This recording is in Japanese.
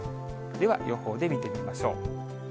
では予報で見ていきましょう。